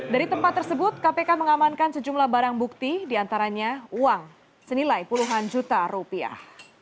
dari tempat tersebut kpk mengamankan sejumlah barang bukti diantaranya uang senilai puluhan juta rupiah